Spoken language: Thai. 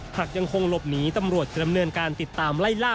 หากยังคงหลบหนีตำรวจจะดำเนินการติดตามไล่ล่า